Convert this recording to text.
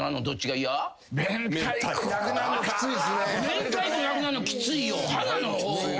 めんたいこなくなんのきついよ。